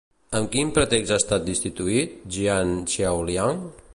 Amb quin pretext ha estat destituït Jian Chaoliang?